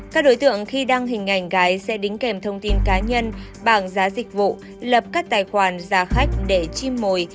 các đối tượng khi đăng hình ảnh gái sẽ đính kèm thông tin cá nhân bảng giá dịch vụ lập các tài khoản giả khách để chim mồi